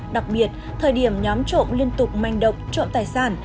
đặc biệt thời điểm nhóm trộm liên tục manh động trộm tài sản